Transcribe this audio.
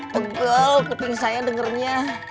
pegel keting saya dengernya